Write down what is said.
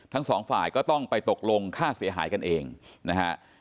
ทั้งสองฝ่ายก็ต้องไปตกลงค่าเสียหายกันเองนะฮะ